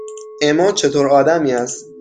اِما چطور آدمی است؟